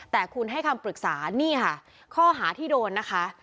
แต่คุณให้คำปรึกษานี่ค่ะข้อหาที่โดนนะคะ